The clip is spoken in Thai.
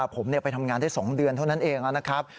ผมไปทำงานได้๒เดือนเท่านั้นเองนะครับ